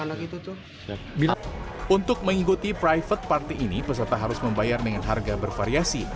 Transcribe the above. anak itu tuh bilang untuk mengikuti private party ini peserta harus membayar dengan harga bervariasi